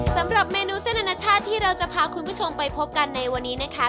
สำหรับเมนูเส้นอนาชาติที่เราจะพาคุณผู้ชมไปพบกันในวันนี้นะคะ